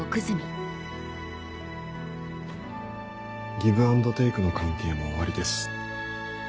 ギブアンドテイクの関係も終わりです。